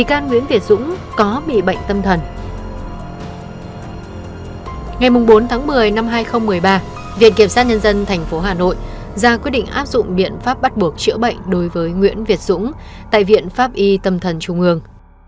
cơ quan cảnh sát điều tra công an thành phố hà nội ra quyết định áp dụng biện pháp bắt buộc chữa bệnh đối với nguyễn việt dũng tại viện pháp y tâm thần trung ương